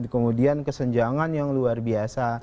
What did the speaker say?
kemudian kesenjangan yang luar biasa